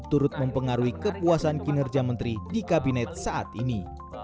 turut mempengaruhi kepuasan kinerja menteri di kabinet saat ini